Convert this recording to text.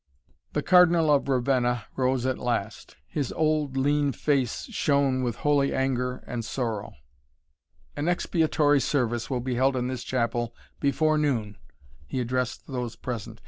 The Cardinal of Ravenna rose at last. His old, lean face shone with holy anger and sorrow. "An expiatory service will be held in this chapel before noon," he addressed those present.